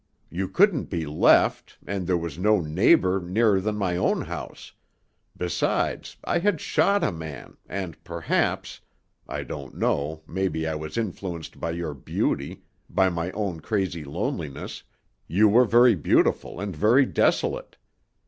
You couldn't be left, and there was no neighbor nearer than my own house; besides, I had shot a man, and, perhaps, I don't know, maybe I was influenced by your beauty, by my own crazy loneliness.... You were very beautiful and very desolate.